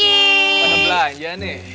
pagi belanja nih